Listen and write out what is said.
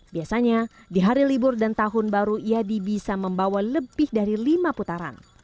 biasanya di hari libur dan tahun baru yadi bisa membawa lebih dari lima putaran